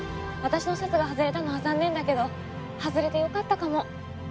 私の説が外れたのは残念だけど外れてよかったかも。